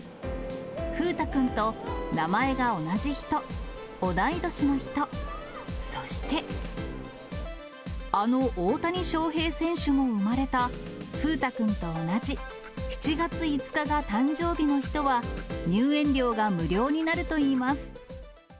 風太くんと名前が同じ人、同い年の人、そして、あの大谷翔平選手も生まれた風太くんと同じ７月５日が誕生日の人は、入園料が無料になるといいます。